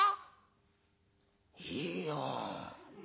いいよ。